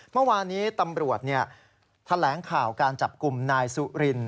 เมื่อวานี้ตำรวจแถลงข่าวการจับกลุ่มนายสุริน